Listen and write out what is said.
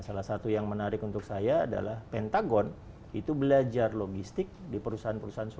salah satu yang menarik untuk saya adalah pentagon itu belajar logistik di perusahaan perusahaan swasta